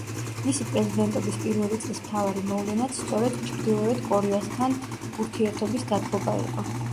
მისი პრეზიდენტობის პირველი წლის მთავარი მოვლენაც სწორედ ჩრდილოეთ კორეასთან ურთიერთობის დათბობა იყო.